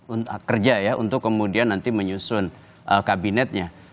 untuk kerja ya untuk kemudian nanti menyusun kabinetnya